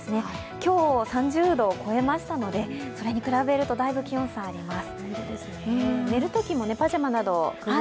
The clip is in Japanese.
今日、３０度を超えましたのでそれに比べると、だいぶ気温差があります。